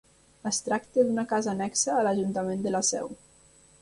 Es tracta d'una casa annexa a l'Ajuntament de la Seu.